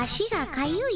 かゆい！